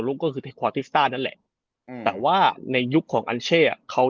ลุกก็คือนั่นแหละอืมแต่ว่าในยุคของอันเชฟอ่ะเขาได้